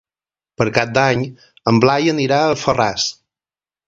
Per Cap d'Any en Blai anirà a Alfarràs.